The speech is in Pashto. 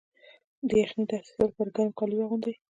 د یخنۍ د حساسیت لپاره ګرم کالي واغوندئ